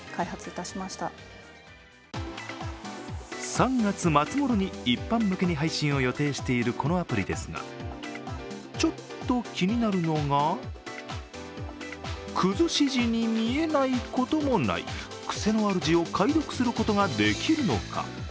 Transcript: ３月末ごろに一般向けに配信を予定しているこのアプリですが、ちょっと気になるのがくずし字に見えないこともないくせのある字を解読することができるのか。